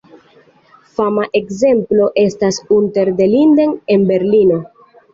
Fama ekzemplo estas "Unter den Linden" en Berlino.